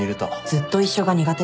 「ずっと一緒」が苦手で。